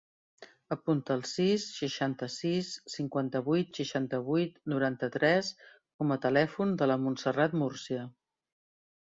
Apunta el sis, seixanta-sis, cinquanta-vuit, seixanta-vuit, noranta-tres com a telèfon de la Montserrat Murcia.